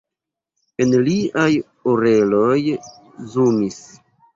En liaj oreloj zumis.